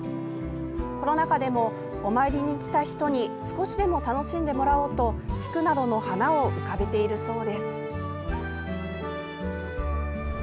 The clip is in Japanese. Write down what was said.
コロナ禍でも、お参りにきた人に少しでも楽しんでもらおうと菊などの花を浮かべているそうです。